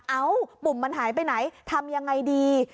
เอ้าปุ่มมันหายไปไหนทำยังไงดี